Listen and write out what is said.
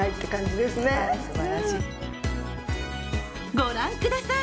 ご覧ください